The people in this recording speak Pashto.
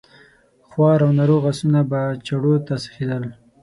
خوار او ناروغ آسونه به چړو ته سيخېدل.